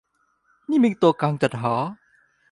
นี่เป็นตัวกลางจัดหา ?